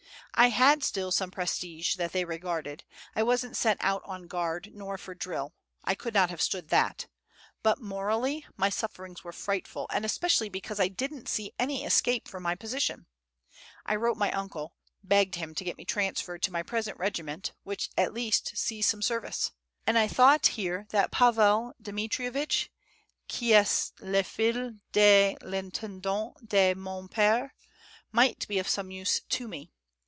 I had still some prestige that they regarded. I wasn't sent out on guard nor for drill. I could not have stood that. But morally my sufferings were frightful; and especially because I didn't see any escape from my position. I wrote my uncle, begged him to get me transferred to my present regiment, which, at least, sees some service; and I thought that here Pavel Dmitrievitch, qui est le fils de l'intendant de mon pere, might be of some use to me.